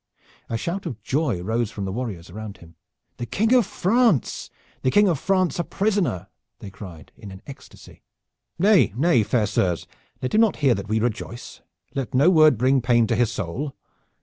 A shout of joy rose from the warriors around him. "The King of France! The King of France a prisoner!" they cried in an ecstasy. "Nay, nay, fair sirs, let him not hear that we rejoice! Let no word bring pain to his soul!"